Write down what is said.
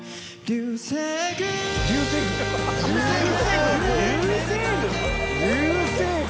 「流星群」。